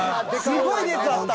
すごい熱あった。